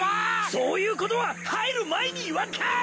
そういうことは入る前に言わんかーい！